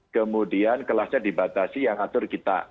kemudian kelasnya dibatasi yang atur kita